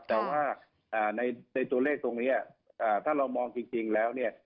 แต่ว่าในตัวเลขตรงนี้ถ้าเรามองจริงแล้วเนี่ย